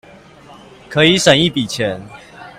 可以省一筆錢